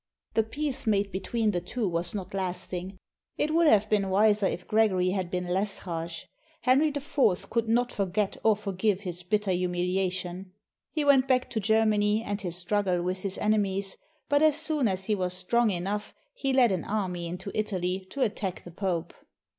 The peace made between the two was not lasting. It would have been wiser if Gregory had been less harsh. Henry IV could not forget or forgive his bitter humiliation. He went back to Germany and his struggle with his enemies, but as soon as he was strong enough he led an army into Italy to attack the Pope.